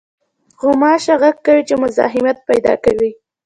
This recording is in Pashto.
غوماشه غږ کوي چې مزاحمت پېدا کوي.